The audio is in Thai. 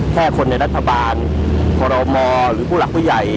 แค่คนในรัฐบาลคอรมอหรือผู้หลักผู้ใหญ่